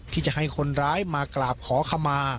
ที่จะให้คนร้ายมากราบขอขมา